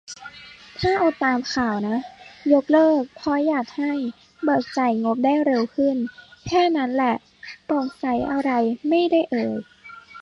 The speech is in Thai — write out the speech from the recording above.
ถ้าเอาตามข่าวนะ ยกเลิก เพราะอยากให้ เบิกจ่ายงบได้เร็วขึ้น แค่นั้นแหละ โปร่งใสอะไรไม่ได้เอ่ย